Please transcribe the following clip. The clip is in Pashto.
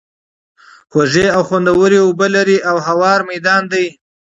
خوږې او خوندوَري اوبه لري، او هوار ميدان دی